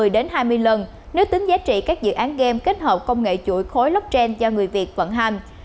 một mươi đến hai mươi lần nếu tính giá trị các dự án game kết hợp công nghệ chuỗi khối blockchain do người việt vận hành